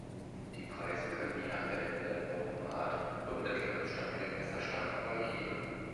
Die Preise können je nach Gelände, Baumart und mittlerem Stammdurchmesser stark variieren.